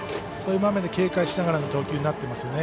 そういう場面で警戒しながらの投球となっています。